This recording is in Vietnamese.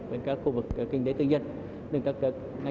và các khu vực kinh tế tư nhân